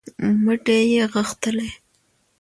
مټې یې غښتلې